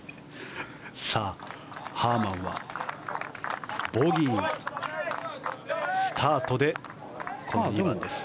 ハーマンはボギースタートでこの２番です。